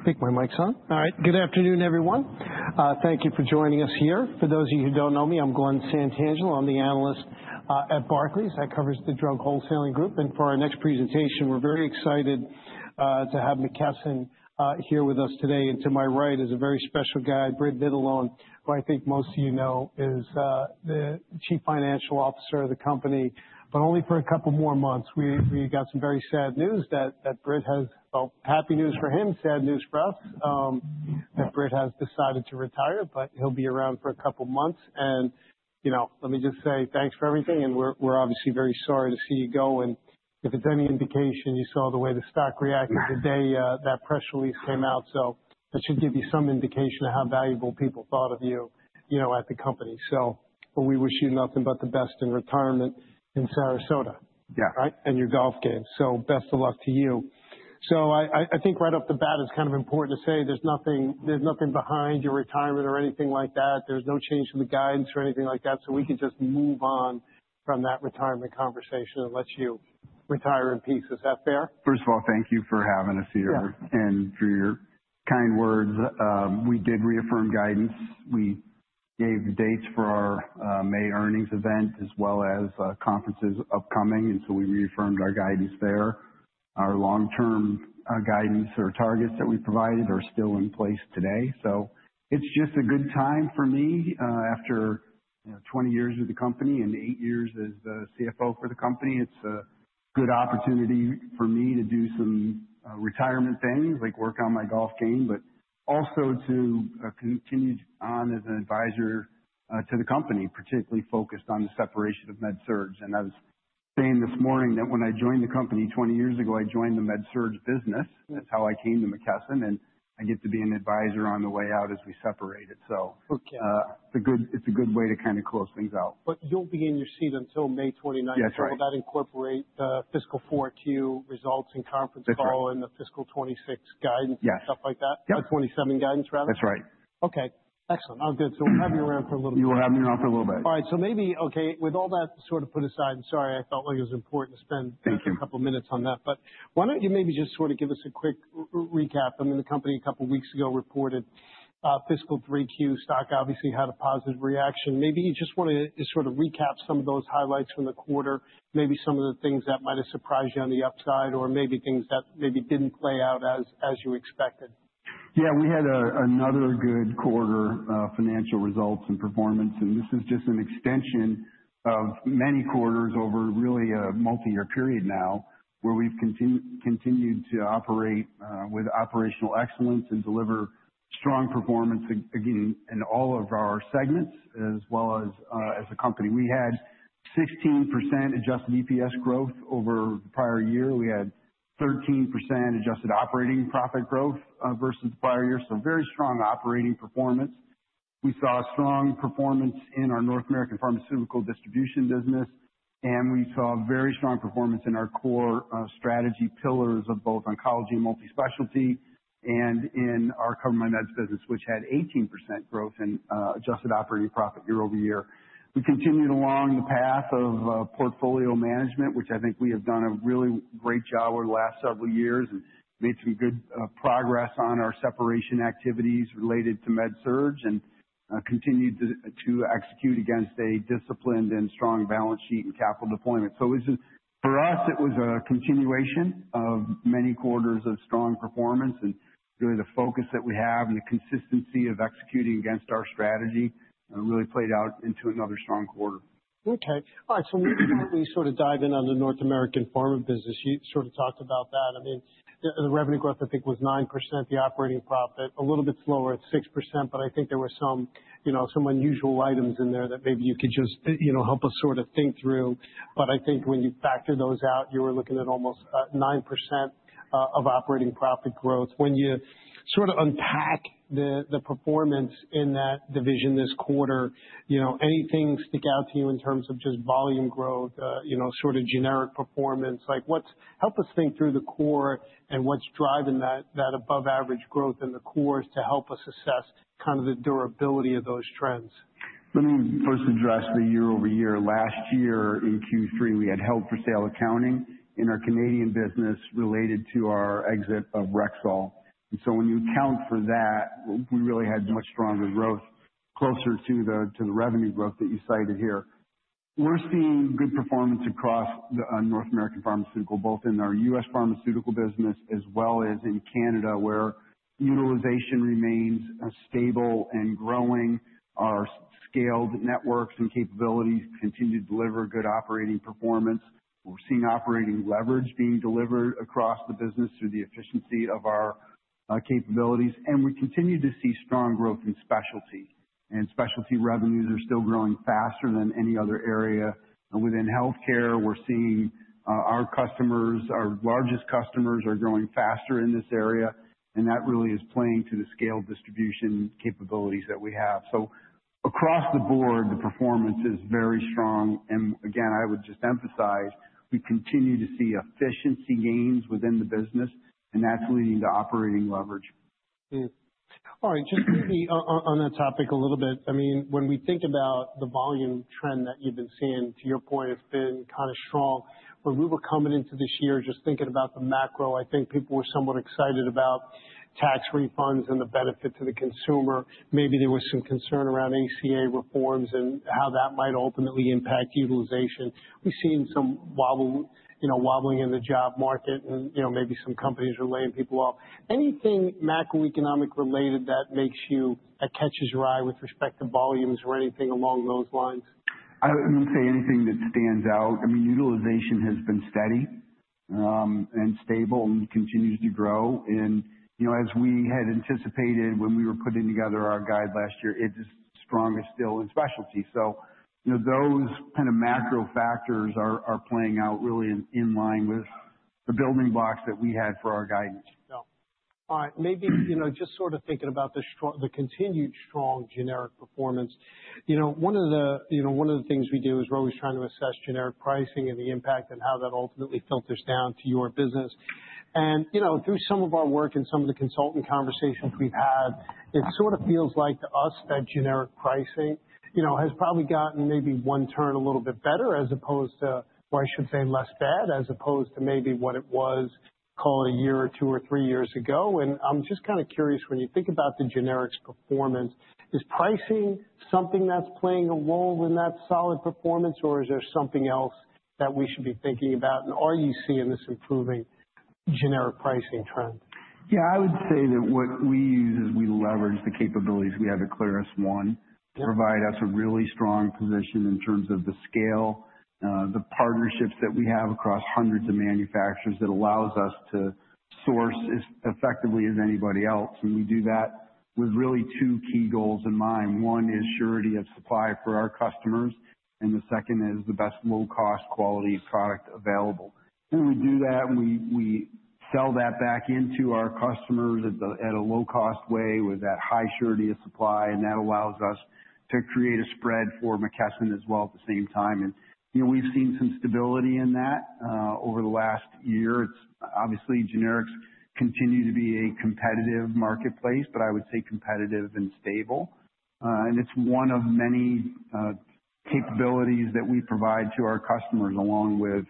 I think my mic's on. All right. Good afternoon, everyone. Thank you for joining us here. For those of you who don't know me, I'm Glen Santangelo. I'm the analyst at Barclays that covers the Drug Wholesaling group. For our next presentation, we're very excited to have McKesson here with us today. To my right is a very special guy, Britt Vitalone, who I think most of you know is the Chief Financial Officer of the company, but only for a couple more months. We got some very sad news that Britt has. Well, happy news for him, sad news for us, that Britt has decided to retire, but he'll be around for a couple months. You know, let me just say thanks for everything, and we're obviously very sorry to see you go. If it's any indication, you saw the way the stock reacted the day that press release came out, so that should give you some indication of how valuable people thought of you know, at the company. We wish you nothing but the best in retirement in Sarasota. Yeah. Right? Your golf game. Best of luck to you. I think right off the bat, it's kind of important to say there's nothing behind your retirement or anything like that. There's no change in the guidance or anything like that. We can just move on from that retirement conversation and let you retire in peace. Is that fair? First of all, thank you for having us here. Yeah. for your kind words. We did reaffirm guidance. We gave dates for our May earnings event as well as conferences upcoming, and so we reaffirmed our guidance there. Our long-term guidance or targets that we provided are still in place today. It's just a good time for me, after you know, 20 years with the company and 8 years as the CFO for the company, it's a good opportunity for me to do some retirement things like work on my golf game, but also to continue on as an advisor to the company, particularly focused on the separation of MedSurg. I was saying this morning that when I joined the company 20 years ago, I joined the MedSurg business. Yes. That's how I came to McKesson, and I get to be an advisor on the way out as we separate it. Okay. It's a good way to kinda close things out. You'll be in your seat until May 29. That's right. Will that incorporate the fiscal 4Q results and conference call? That's right. the fiscal 2026 guidance Yes. stuff like that? Yeah. 27 guidance rather? That's right. Okay. Excellent. Oh, good. We'll have you around for a little bit. You will have me around for a little bit. All right. Okay, with all that sort of put aside, and sorry, I felt like it was important to spend. Thank you. A couple minutes on that, but why don't you maybe just sort of give us a quick recap. I mean, the company a couple weeks ago reported fiscal 3Q. Stock obviously had a positive reaction. Maybe you just wanna just sort of recap some of those highlights from the quarter, maybe some of the things that might have surprised you on the upside or maybe things that maybe didn't play out as you expected. Yeah, we had another good quarter financial results and performance, and this is just an extension of many quarters over really a multi-year period now, where we've continued to operate with operational excellence and deliver strong performance again, in all of our segments as well as as a company. We had 16% adjusted EPS growth over the prior year. We had 13% adjusted operating profit growth versus the prior year. Very strong operating performance. We saw strong performance in our North American pharmaceutical distribution business, and we saw very strong performance in our core strategy pillars of both Oncology and Multispecialty and in our government meds business, which had 18% growth in adjusted operating profit year-over-year. We continued along the path of portfolio management, which I think we have done a really great job over the last several years and made some good progress on our separation activities related to MedSurg and continued to execute against a disciplined and strong balance sheet and capital deployment. It's just for us, it was a continuation of many quarters of strong performance and really the focus that we have and the consistency of executing against our strategy really played out into another strong quarter. Okay. All right. Maybe now we sort of dive in on the North American pharma business. You sort of talked about that. I mean, the revenue growth I think was 9%, the operating profit a little bit slower at 6%, but I think there were some, you know, some unusual items in there that maybe you could just, you know, help us sort of think through. I think when you factor those out, you were looking at almost 9% of operating profit growth. When you sort of unpack the performance in that division this quarter, you know, anything stick out to you in terms of just volume growth, you know, sort of generic performance? Like, what's Help us think through the core and what's driving that above average growth in the cores to help us assess kind of the durability of those trends. Let me first address the year-over-year. Last year in Q3, we had held for sale accounting in our Canadian business related to our exit of Rexall. When you account for that, we really had much stronger growth closer to the revenue growth that you cited here. We're seeing good performance across the North American pharmaceutical, both in our US pharmaceutical business as well as in Canada, where utilization remains stable and growing. Our scaled networks and capabilities continue to deliver good operating performance. We're seeing operating leverage being delivered across the business through the efficiency of our capabilities. We continue to see strong growth in specialty. Specialty revenues are still growing faster than any other area within healthcare. We're seeing our customers, our largest customers are growing faster in this area, and that really is playing to the scaled distribution capabilities that we have. Across the board, the performance is very strong. Again, I would just emphasize, we continue to see efficiency gains within the business, and that's leading to operating leverage. All right, just maybe on that topic a little bit. I mean, when we think about the volume trend that you've been seeing, to your point, it's been kinda strong. When we were coming into this year just thinking about the macro, I think people were somewhat excited about tax refunds and the benefit to the consumer. Maybe there was some concern around ACA reforms and how that might ultimately impact utilization. We've seen some wobble, you know, wobbling in the job market and, you know, maybe some companies are laying people off. Anything macroeconomic related that catches your eye with respect to volumes or anything along those lines? I wouldn't say anything that stands out. I mean, utilization has been steady, and stable and continues to grow. You know, as we had anticipated when we were putting together our guide last year, it is strongest still in specialty. You know, those kind of macro factors are playing out really in line with the building blocks that we had for our guidance. Yeah. All right. Maybe, you know, just sort of thinking about the continued strong generic performance. You know, one of the, you know, one of the things we do is we're always trying to assess generic pricing and the impact and how that ultimately filters down to your business. You know, through some of our work and some of the consultant conversations we've had, it sort of feels like to us that generic pricing, you know, has probably gotten maybe one turn a little bit better as opposed to or I should say less bad, as opposed to maybe what it was, call it a year or two or three years ago. I'm just kinda curious, when you think about the generics performance, is pricing something that's playing a role in that solid performance or is there something else that we should be thinking about? Are you seeing this improving generic pricing trend? Yeah, I would say that what we use is we leverage the capabilities we have at ClarusONE, provide us a really strong position in terms of the scale, the partnerships that we have across hundreds of manufacturers that allows us to source as effectively as anybody else. We do that with really two key goals in mind. One is surety of supply for our customers, and the second is the best low-cost quality product available. When we do that, we sell that back into our customers at a low cost way with that high surety of supply, and that allows us to create a spread for McKesson as well at the same time. You know, we've seen some stability in that over the last year. Obviously, generics continue to be a competitive marketplace, but I would say competitive and stable. It's one of many capabilities that we provide to our customers along with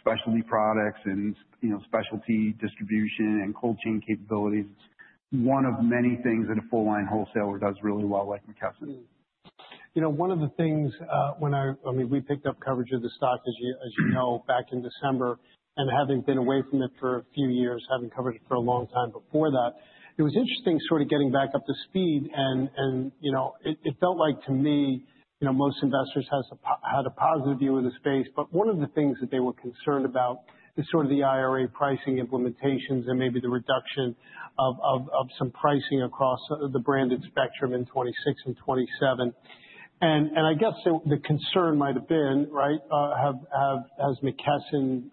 specialty products and, you know, specialty distribution and cold chain capabilities. One of many things that a full line wholesaler does really well, like McKesson. You know, one of the things, I mean, we picked up coverage of the stock as you know, back in December. Having been away from it for a few years, having covered it for a long time before that, it was interesting sort of getting back up to speed and, you know, it felt like to me, you know, most investors has a positive view of the space. One of the things that they were concerned about is sort of the IRA pricing implementations and maybe the reduction of some pricing across the branded spectrum in 2026 and 2027. I guess the concern might have been, right, has McKesson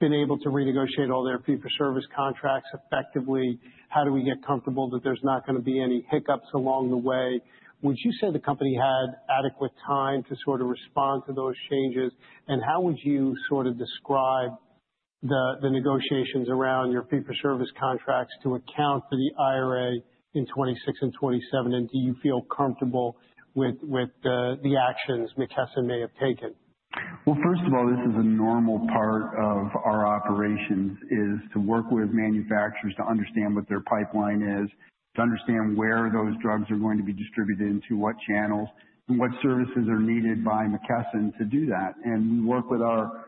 been able to renegotiate all their fee for service contracts effectively? How do we get comfortable that there's not gonna be any hiccups along the way? Would you say the company had adequate time to sort of respond to those changes? How would you sort of describe the negotiations around your fee for service contracts to account for the IRA in 2026 and 2027? Do you feel comfortable with the actions McKesson may have taken? Well, first of all, this is a normal part of our operations, is to work with manufacturers to understand what their pipeline is, to understand where those drugs are going to be distributed into what channels and what services are needed by McKesson to do that. We work with our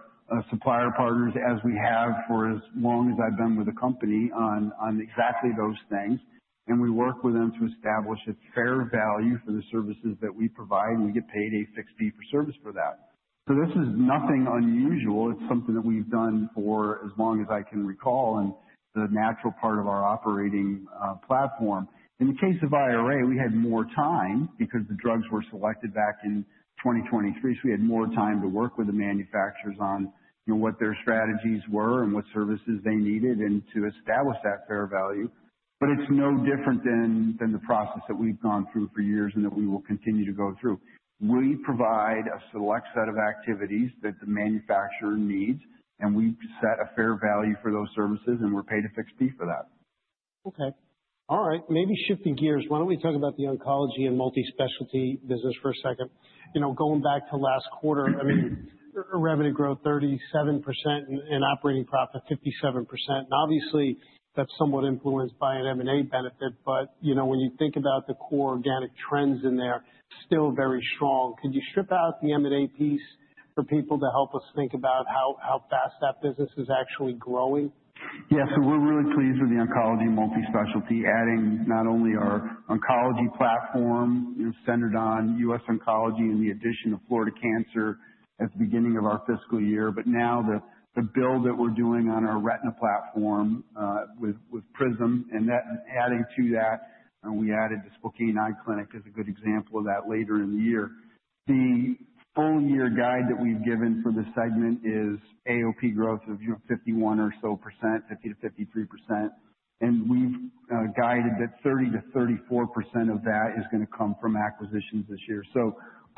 supplier partners as we have for as long as I've been with the company on exactly those things. We work with them to establish its fair value for the services that we provide, and we get paid a fixed fee for service for that. This is nothing unusual. It's something that we've done for as long as I can recall and the natural part of our operating platform. In the case of IRA, we had more time because the drugs were selected back in 2023, so we had more time to work with the manufacturers on, you know, what their strategies were and what services they needed and to establish that fair value. It's no different than the process that we've gone through for years and that we will continue to go through. We provide a select set of activities that the manufacturer needs, and we set a fair value for those services, and we're paid a fixed fee for that. Okay. All right. Maybe shifting gears, why don't we talk about the Oncology and Multispecialty business for a second? You know, going back to last quarter, I mean, revenue growth 37% and operating profit 57%. Obviously, that's somewhat influenced by an M&A benefit, but, you know, when you think about the core organic trends in there, still very strong. Could you strip out the M&A piece for people to help us think about how fast that business is actually growing? Yeah. We're really pleased with the Oncology and Multispecialty, adding not only our Oncology platform is centered on US Oncology and the addition of Florida Cancer at the beginning of our fiscal year. Now the build that we're doing on our retina platform with PRISM and that adding to that, and we added the Spokane Eye Clinic as a good example of that later in the year. The full year guide that we've given for this segment is AOP growth of 51% or so, 50%-53%. We've guided that 30%-34% of that is gonna come from acquisitions this year.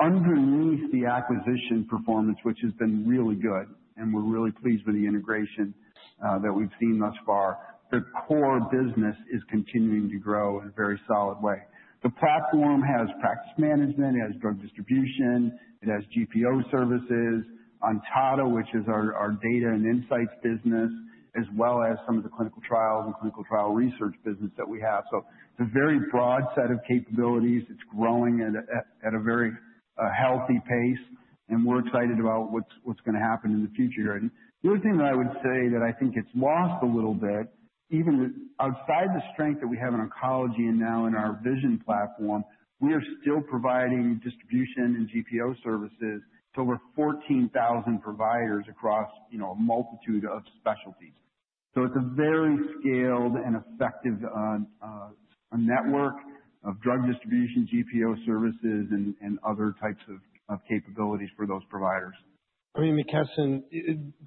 Underneath the acquisition performance, which has been really good and we're really pleased with the integration that we've seen thus far, the core business is continuing to grow in a very solid way. The platform has practice management, it has drug distribution, it has GPO services, Ontada, which is our data and insights business, as well as some of the clinical trials and clinical trial research business that we have. It's a very broad set of capabilities. It's growing at a very healthy pace, and we're excited about what's gonna happen in the future here. The other thing that I would say that I think gets lost a little bit, even outside the strength that we have in oncology and now in our vision platform, we are still providing distribution and GPO services to over 14,000 providers across, you know, a multitude of specialties. It's a very scaled and effective network of drug distribution, GPO services and other types of capabilities for those providers. I mean, McKesson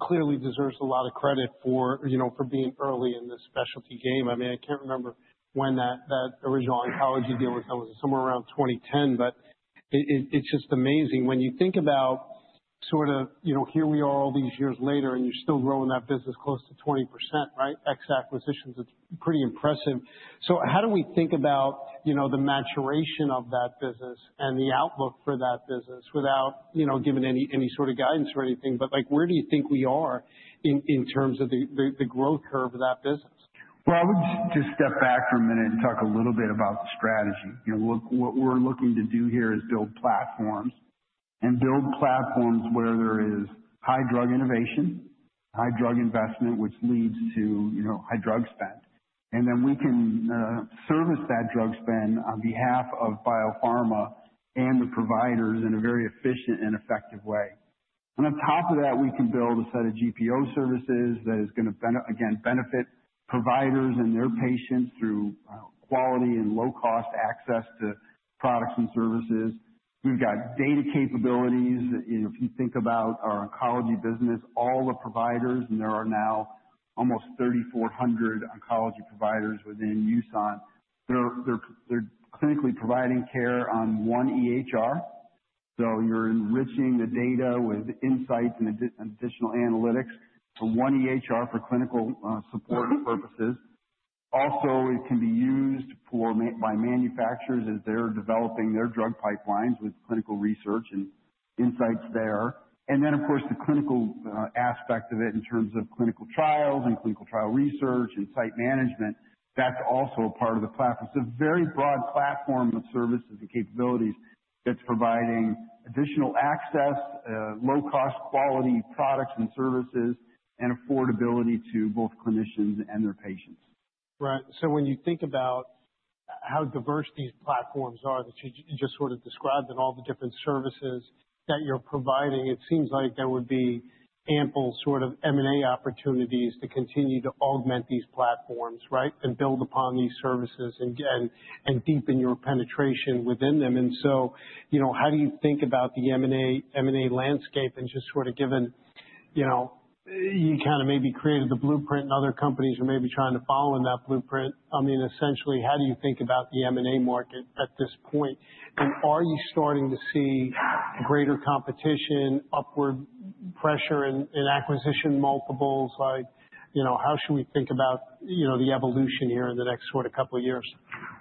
clearly deserves a lot of credit for, you know, for being early in this specialty game. I mean, I can't remember when that original oncology deal was. That was somewhere around 2010. It's just amazing when you think about sort of, you know, here we are all these years later and you're still growing that business close to 20%, right? Ex acquisitions, it's pretty impressive. How do we think about, you know, the maturation of that business and the outlook for that business without, you know, giving any sort of guidance or anything? Like, where do you think we are in terms of the growth curve of that business? Well, I would just step back for a minute and talk a little bit about the strategy. You know, what we're looking to do here is build platforms where there is high drug innovation, high drug investment, which leads to, you know, high drug spend. Then we can service that drug spend on behalf of biopharma and the providers in a very efficient and effective way. On top of that, we can build a set of GPO services that is gonna benefit providers and their patients through quality and low cost access to products and services. We've got data capabilities. You know, if you think about our oncology business, all the providers, and there are now almost 3,400 oncology providers within the US Oncology Network, they're clinically providing care on one EHR. You're enriching the data with insights and additional analytics to one EHR for clinical support purposes. Also, it can be used by manufacturers as they're developing their drug pipelines with clinical research and insights there. Of course, the clinical aspect of it in terms of clinical trials and clinical trial research and site management, that's also a part of the platform. It's a very broad platform of services and capabilities that's providing additional access, low cost, quality products and services, and affordability to both clinicians and their patients. Right. When you think about how diverse these platforms are that you just sort of described and all the different services that you're providing, it seems like there would be ample sort of M&A opportunities to continue to augment these platforms, right? Build upon these services and deepen your penetration within them. You know, how do you think about the M&A landscape and just sort of given, you know, you kinda maybe created the blueprint and other companies are maybe trying to follow in that blueprint. I mean, essentially, how do you think about the M&A market at this point? Are you starting to see greater competition, upward pressure in acquisition multiples? Like, you know, how should we think about the evolution here in the next sort of couple of years?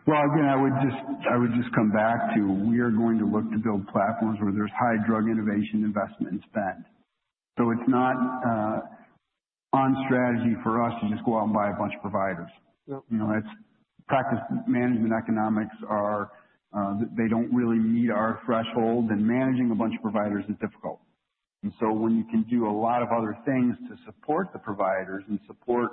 Well, again, I would just come back to we are going to look to build platforms where there's high drug innovation, investment and spend. It's not on strategy for us to just go out and buy a bunch of providers. Yep. You know, it's practice management economics are, they don't really meet our threshold, and managing a bunch of providers is difficult. When you can do a lot of other things to support the providers and support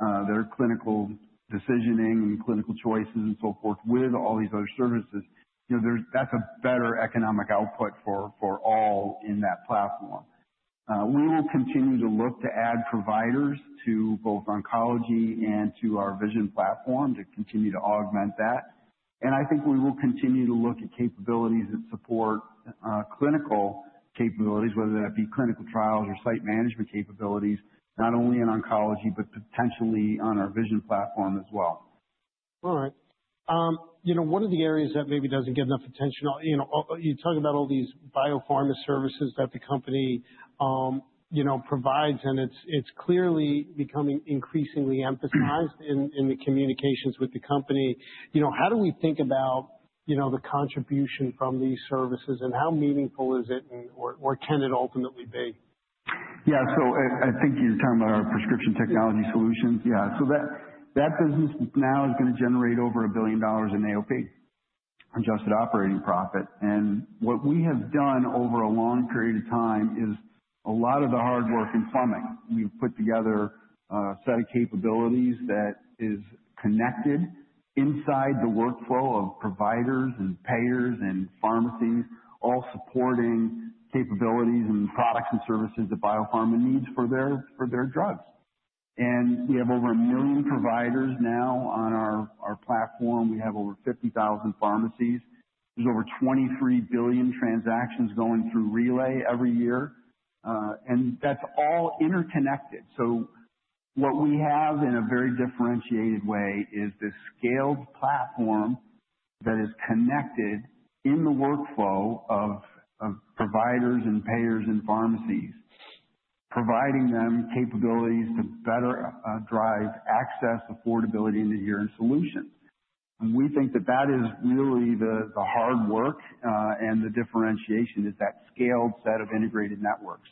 their clinical decisioning and clinical choices and so forth with all these other services, you know, that's a better economic output for all in that platform. We will continue to look to add providers to both oncology and to our vision platform to continue to augment that. I think we will continue to look at capabilities that support clinical capabilities, whether that be clinical trials or site management capabilities, not only in oncology, but potentially on our vision platform as well. All right. You know, one of the areas that maybe doesn't get enough attention, you know, you're talking about all these Biopharma Services that the company, you know, provides, and it's clearly becoming increasingly emphasized in the communications with the company. You know, how do we think about, you know, the contribution from these services and how meaningful is it and or can it ultimately be? Yeah. I think you're talking about our Prescription Technology Solutions. Yeah. Yeah. That business now is gonna generate over $1 billion in AOP, adjusted operating profit. What we have done over a long period of time is a lot of the hard work in plumbing. We've put together a set of capabilities that is connected inside the workflow of providers and payers and pharmacies, all supporting capabilities and products and services that biopharma needs for their drugs. We have over 1 million providers now on our platform. We have over 50,000 pharmacies. There's over 23 billion transactions going through RelayHealth every year. That's all interconnected. What we have in a very differentiated way is this scaled platform that is connected in the workflow of providers and payers and pharmacies, providing them capabilities to better drive access, affordability, and adherence solutions. We think that is really the hard work, and the differentiation is that scaled set of integrated networks.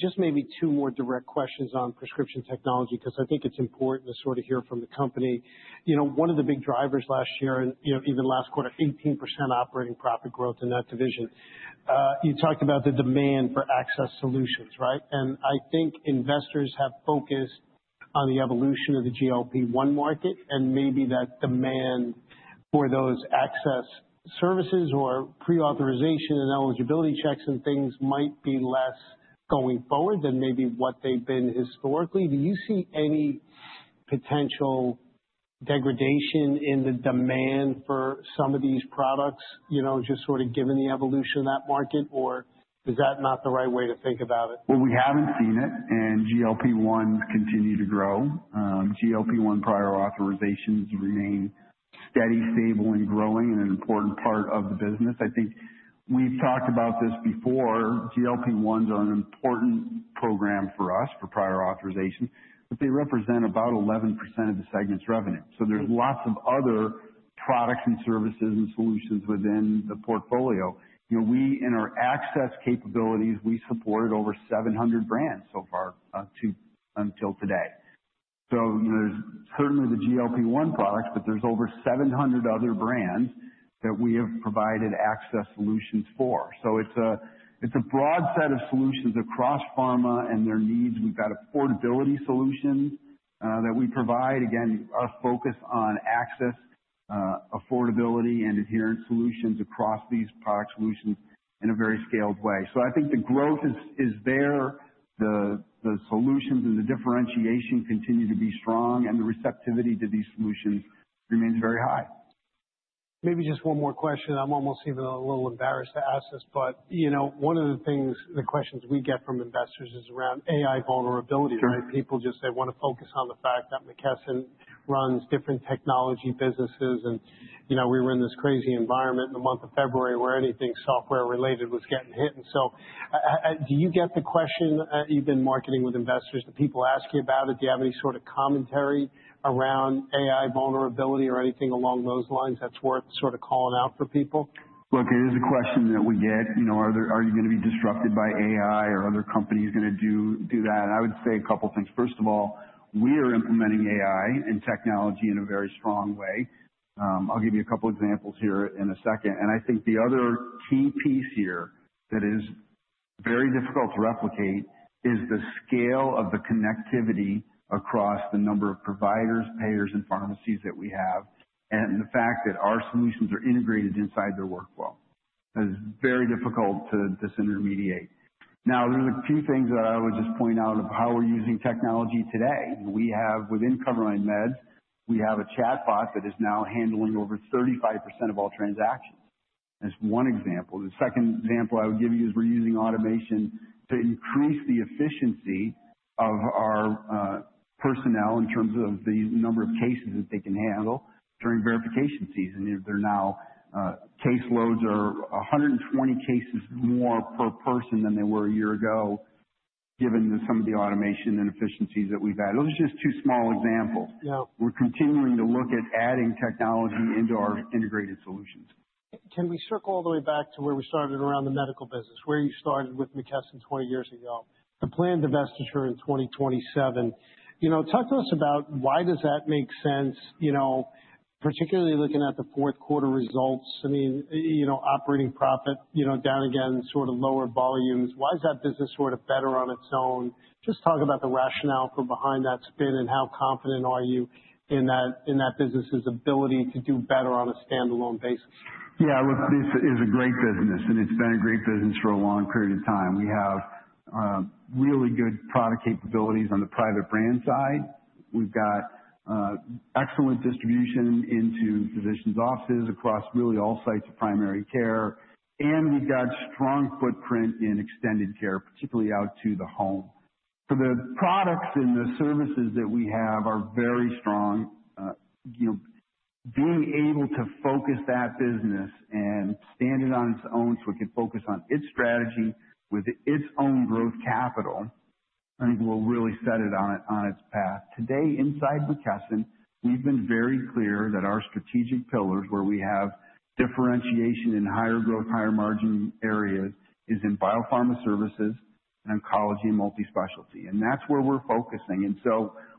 Just maybe two more direct questions on prescription technology, 'cause I think it's important to sort of hear from the company. You know, one of the big drivers last year and, you know, even last quarter, 18% operating profit growth in that division. You talked about the demand for access solutions, right? I think investors have focused on the evolution of the GLP-1 market and maybe that demand for those access services or pre-authorization and eligibility checks and things might be less going forward than maybe what they've been historically. Do you see any potential degradation in the demand for some of these products, you know, just sort of given the evolution of that market, or is that not the right way to think about it? Well, we haven't seen it, and GLP-1s continue to grow. GLP-1 prior authorizations remain steady, stable, and growing, and an important part of the business. I think we've talked about this before. GLP-1s are an important program for us for prior authorizations, but they represent about 11% of the segment's revenue. There's lots of other products and services and solutions within the portfolio. You know, we, in our access capabilities, we supported over 700 brands so far until today. You know, there's certainly the GLP-1 products, but there's over 700 other brands that we have provided access solutions for. It's a, it's a broad set of solutions across pharma and their needs. We've got affordability solutions that we provide. Again, a focus on access, affordability and adherence solutions across these product solutions in a very scaled way. I think the growth is there. The solutions and the differentiation continue to be strong and the receptivity to these solutions remains very high. Maybe just one more question. I'm almost even a little embarrassed to ask this, but, you know, one of the things, the questions we get from investors is around AI vulnerability, right? People just, they wanna focus on the fact that McKesson runs different technology businesses. You know, we were in this crazy environment in the month of February where anything software related was getting hit. Do you get the question you've been talking with investors? Do people ask you about it? Do you have any sort of commentary around AI vulnerability or anything along those lines that's worth sort of calling out for people? Look, it is a question that we get. You know, are you gonna be disrupted by AI or are other companies gonna do that? I would say a couple things. First of all, we are implementing AI and technology in a very strong way. I'll give you a couple examples here in a second. I think the other key piece here that is very difficult to replicate is the scale of the connectivity across the number of providers, payers, and pharmacies that we have, and the fact that our solutions are integrated inside their workflow. That is very difficult to disintermediate. Now, there's a few things that I would just point out of how we're using technology today. We have, within CoverMyMeds, a chatbot that is now handling over 35% of all transactions. That's one example. The second example I would give you is we're using automation to increase the efficiency of our personnel in terms of the number of cases that they can handle during verification season. Their case loads are now 120 cases more per person than they were a year ago, given some of the automation and efficiencies that we've added. Those are just two small examples. Yeah. We're continuing to look at adding technology into our integrated solutions. Can we circle all the way back to where we started around the medical business, where you started with McKesson 20 years ago? The planned divestiture in 2027, you know, talk to us about why does that make sense, you know, particularly looking at the fourth quarter results. I mean, you know, operating profit, you know, down again, sort of lower volumes. Why is that business sort of better on its own? Just talk about the rationale behind that spin and how confident are you in that business' ability to do better on a standalone basis. Yeah. Look, this is a great business and it's been a great business for a long period of time. We have really good product capabilities on the private brand side. We've got excellent distribution into physicians' offices across really all sites of primary care. We've got strong footprint in extended care, particularly out to the home. The products and the services that we have are very strong. You know, being able to focus that business and stand it on its own so we can focus on its strategy with its own growth capital, I think will really set it on its path. Today, inside McKesson, we've been very clear that our strategic pillars, where we have differentiation in higher growth, higher margin areas, is in Biopharma Services, Oncology and Multispecialty. That's where we're focusing.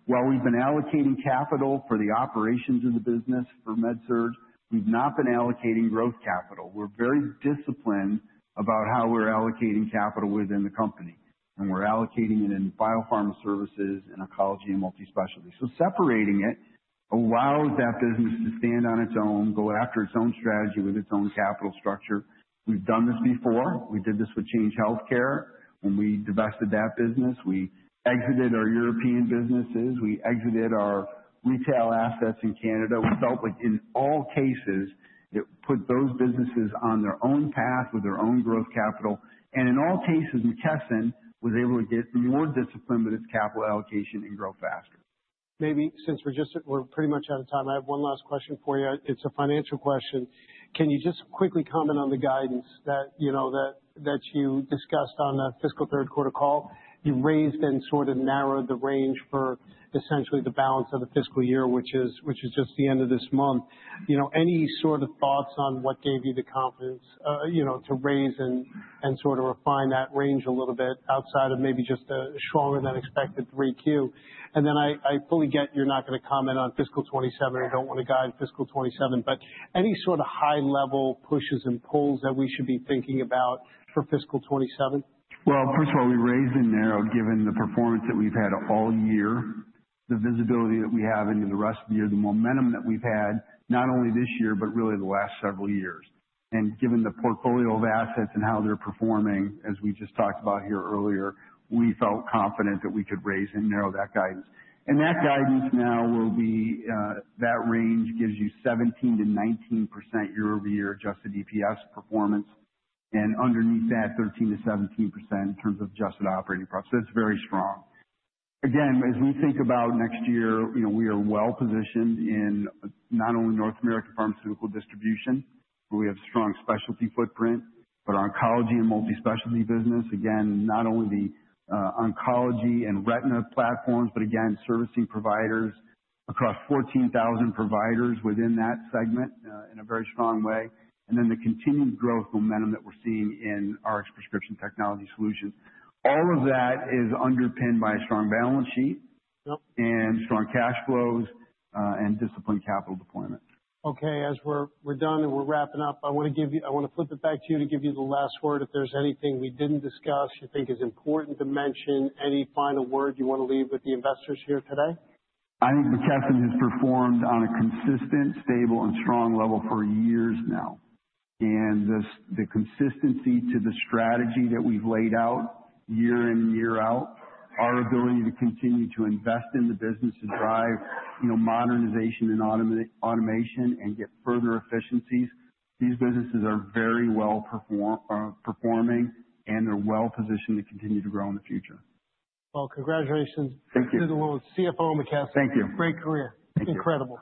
While we've been allocating capital for the operations of the business for med surg, we've not been allocating growth capital. We're very disciplined about how we're allocating capital within the company, and we're allocating it in Biopharma Services and Oncology and Multispecialty. Separating it allows that business to stand on its own, go after its own strategy with its own capital structure. We've done this before. We did this with Change Healthcare when we divested that business. We exited our European businesses. We exited our retail assets in Canada. We felt like in all cases, it put those businesses on their own path with their own growth capital. In all cases, McKesson was able to get more discipline with its capital allocation and grow faster. Maybe since we're pretty much out of time, I have one last question for you. It's a financial question. Can you just quickly comment on the guidance that you discussed on the fiscal third quarter call? You raised and sort of narrowed the range for essentially the balance of the fiscal year, which is just the end of this month. Any sort of thoughts on what gave you the confidence to raise and sort of refine that range a little bit outside of maybe just a stronger than expected 3Q? I fully get you're not gonna comment on fiscal 2027 or don't wanna guide fiscal 2027, but any sort of high level pushes and pulls that we should be thinking about for fiscal 2027? Well, first of all, we raised and narrowed given the performance that we've had all year, the visibility that we have into the rest of the year, the momentum that we've had not only this year but really the last several years. Given the portfolio of assets and how they're performing, as we just talked about here earlier, we felt confident that we could raise and narrow that guidance. That guidance now will be, that range gives you 17%-19% year-over-year adjusted EPS performance, and underneath that, 13%-17% in terms of adjusted operating profits. It's very strong. Again, as we think about next year, you know, we are well-positioned in not only North American pharmaceutical distribution, where we have strong specialty footprint, but Oncology and Multispecialty business. Again, not only the oncology and retina platforms, but again, servicing providers across 14,000 providers within that segment, in a very strong way. Then the continued growth momentum that we're seeing in our Prescription Technology Solutions. All of that is underpinned by a strong balance sheet. Yep. Strong cash flows and disciplined capital deployment. Okay. As we're done and we're wrapping up, I wanna flip it back to you to give you the last word. If there's anything we didn't discuss you think is important to mention, any final words you wanna leave with the investors here today? I think McKesson has performed on a consistent, stable, and strong level for years now. The consistency to the strategy that we've laid out year in, year out, our ability to continue to invest in the business to drive, you know, modernization and automation and get further efficiencies, these businesses are very well performing and they're well positioned to continue to grow in the future. Well, congratulations. Thank you. To the world's CFO in McKesson. Thank you. Great career. Thank you. Incredible.